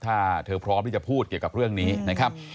ถ้าเธอพร้อมที่จะพูดเกี่ยวกับเรื่องนี้นะครับ